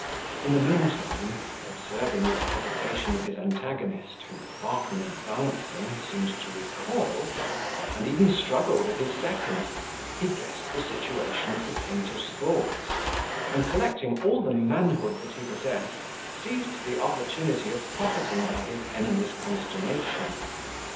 In the meantime, observing the hesitation of his antagonist, who, far from advancing, seemed to recoil, and even struggle with his second, he guessed the situation of the painter's thoughts, and, collecting all the manhood that he possessed, seized the opportunity of profiting by his enemy's consternation.